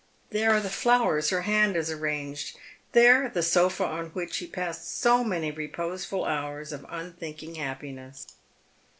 There are the flowers her hand has arranged ; there the sofa on which he passed so many reposeful hours of unthinking happiness.